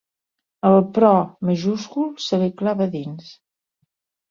El però majúscul se li clava a dins.